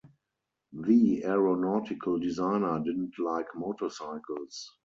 The aeronautical designer didn't like motorcycles.